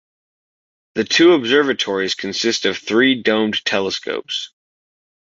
The two observatories consist of three domed telescopes.